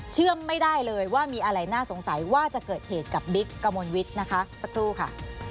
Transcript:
เชื่อมไม่ได้เลยว่ามีอะไรน่าสงสัยว่าจะเกิดเหตุกับบิ๊กกระมวลวิทย์นะคะสักครู่ค่ะ